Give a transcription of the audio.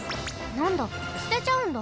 なんだすてちゃうんだ。